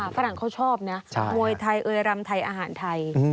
ฝรั่งเขาชอบนะมวยไทยเอ่ยรำไทยอาหารไทย